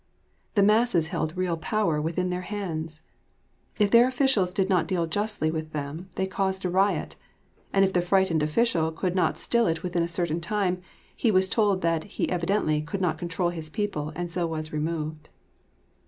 The masses held real power within their hands. If their officials did not deal justly with them, they caused a riot, and if the frightened official could not still it within a certain time, he was told that he evidently could not control his people and so was removed.